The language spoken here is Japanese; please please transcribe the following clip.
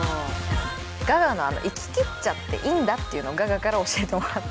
ガガの行き切っちゃっていいんだっていうのをガガから教えてもらった。